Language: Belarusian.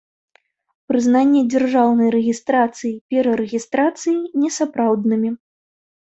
Прызнанне дзяржаўнай рэгiстрацыi, перарэгiстрацыi несапраўднымi